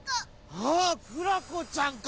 ああクラコちゃんか。